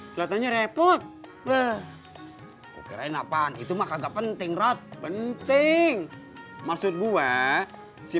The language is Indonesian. hai katanya repot berkerain apaan itu mah kagak penting rot penting maksud gua si